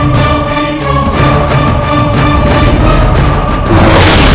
dan membuat siang